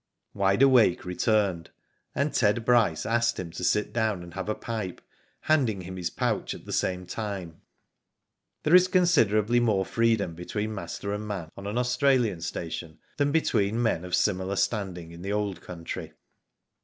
Wide Awake returned and Ted Bryce asked him to sit down and have a pipe, handing him his pouch at the same time. There is considerably more freedom between master and man on an Australian station than between men of similar standing in the Old Country.